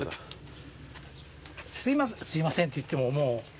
すいませんすいませんって言ってももう。